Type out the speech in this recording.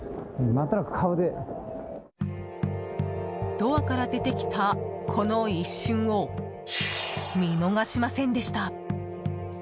ドアから出てきた、この一瞬を見逃しませんでした。